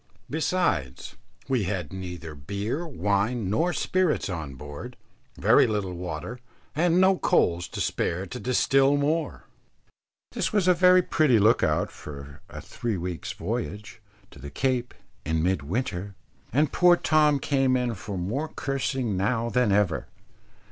Besides, we had neither beer, wine, nor spirits on board, very little water, and no coals to spare to distil more. This was a very pretty look out for a three weeks' voyage, to the Cape, in mid winter. And poor Tom came in for more cursing now than ever.